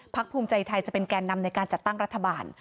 ภูมิใจไทยจะเป็นแก่นำในการจัดตั้งรัฐบาล